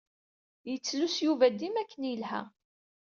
Yettlus Yuba dima akken yelha.